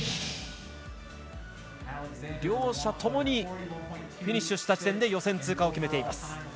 両者共にフィニッシュした時点で予選通過を決めています。